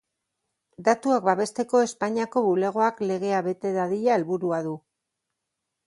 Datuak Babesteko Espainiako Bulegoak legea bete dadila helburua du.